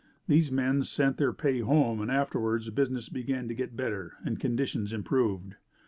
These men sent their pay home and afterward business began to get better and conditions improved.